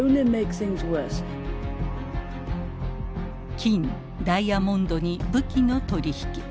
金ダイヤモンドに武器の取り引き。